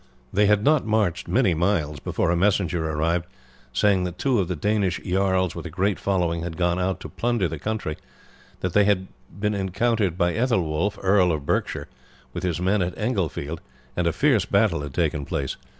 They had not marched many miles before a messenger arrived saying that two of the Danish jarls with a great following had gone out to plunder the country, that they had been encountered by Aethelwulf, Earl of Berkshire, with his men at Englefield, and a fierce battle had taken place.